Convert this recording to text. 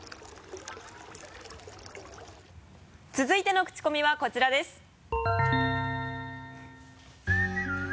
続いてのクチコミはこちらです。